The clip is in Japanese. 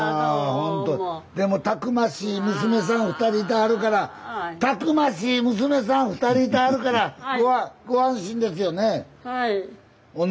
でもたくましい娘さん２人いてはるからたくましい娘さん２人いてはるからご安心ですよね。